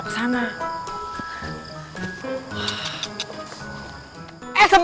karena jalanannya kesana